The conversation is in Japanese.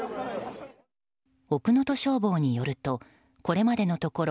奥能登消防によるとこれまでのところ